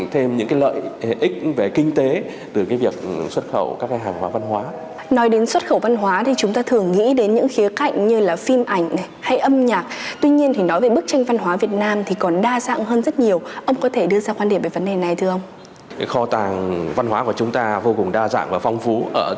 về những cái lợi ích mà việc xuất khẩu văn hóa của chúng ta có thể đem lại không chỉ cho lĩnh vực văn hóa đâu